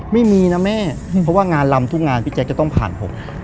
ไม่มีนะแม่เพราะว่างานลำทุกงานพี่แจ๊คจะต้องผ่านผม